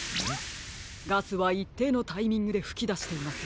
ガスはいっていのタイミングでふきだしています。